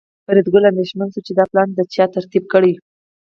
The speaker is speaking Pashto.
فریدګل اندېښمن شو چې دا پلان چا ترتیب کړی